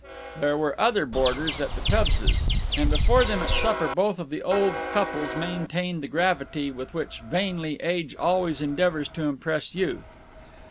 There were other boarders at the Tubbses', and before them at supper both of the old couples maintained the gravity with which, vainly, Age always endeavors to impress Youth.